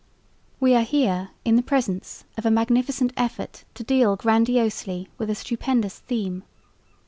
We are here in the presence of a magnificent effort to deal grandiosely with a stupendous theme.